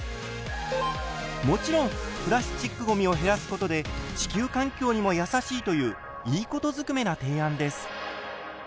もちろんプラスチックごみを減らすことで地球環境にも優しいといういいことずくめな提案です。